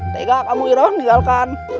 teguh kamu irau tinggalkan